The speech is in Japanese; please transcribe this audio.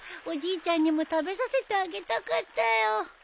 おじいちゃんにも食べさせてあげたかったよ。